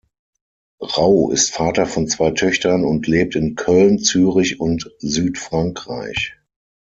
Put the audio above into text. Rau ist Vater von zwei Töchtern und lebt in Köln, Zürich und Südfrankreich.